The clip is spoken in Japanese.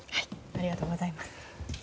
ありがとうございます。